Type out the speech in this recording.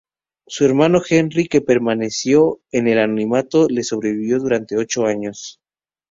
Su hermano Henri, que permaneció en el anonimato, le sobrevivió durante ocho años.